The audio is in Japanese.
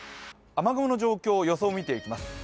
雨雲の状況、予想を見ていきます。